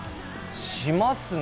しますね。